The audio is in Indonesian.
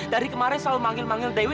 dari kemarin selalu manggil manggil dewi